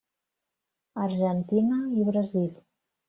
Argentina i Brasil.